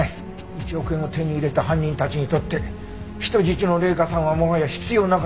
１億円を手に入れた犯人たちにとって人質の麗華さんはもはや必要なくなった。